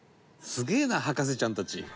すげえな、博士ちゃんたち。